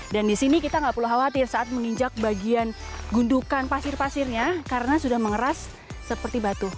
dan di sini kita nggak perlu khawatir saat menginjak bagian gundukan pasir pasirnya karena sudah mengeras seperti batu